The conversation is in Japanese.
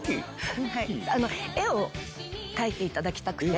絵を描いていただきたくて。